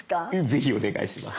ぜひお願いします。